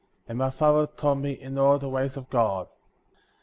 And my father taught me in all the ways of God.